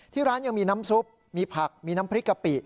ที่ร้านยังมีน้ำซุปมีผักมีน้ำพริกกะปิ